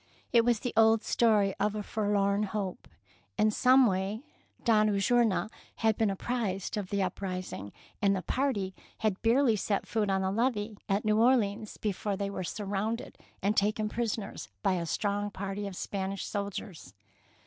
It was the old story of a forlorn hope. In some way Don Ulloa had been ap prised of the uprising, and the party had barely set foot on the levee at New Orleans before they were sur 206 THE PEABL NECKLACE rounded and taken prisoners by a strong party of Spanish soldiers.